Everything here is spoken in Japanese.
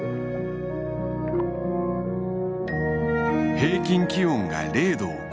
平均気温が零度を超えるころ